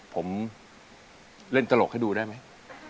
ผมเล่นตลกให้ดูได้ไหม